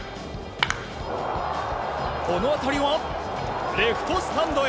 この当たりは、レフトスタンドへ。